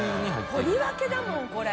とりわけだもんこれ。